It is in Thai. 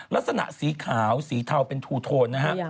ลักษณะสีขาวสีเทาเป็นทูโทนนะฮะ